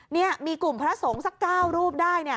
เนี่ยมีกลุ่มพระสงฆ์สัก๙รูปได้เนี่ย